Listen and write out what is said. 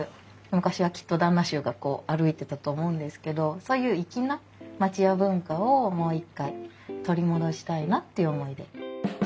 昔はきっと旦那衆が歩いてたと思うんですけどそういう粋な町家文化をもう一回取り戻したいなっていう思いで。